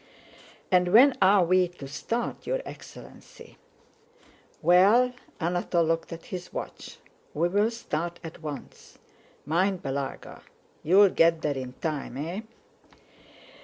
"And when are we to start, your excellency?" "Well..." Anatole looked at his watch. "We'll start at once. Mind, Balagá! You'll get there in time? Eh?"